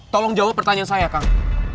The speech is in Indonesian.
tolong jawab pertanyaan saya kang